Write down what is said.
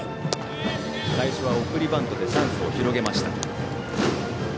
最初は送りバントでチャンスを広げました。